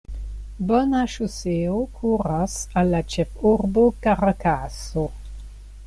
Bona ŝoseo kuras al la ĉefurbo Karakaso.